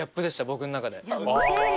僕ん中で。